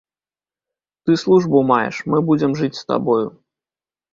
Ты службу маеш, мы будзем жыць з табою.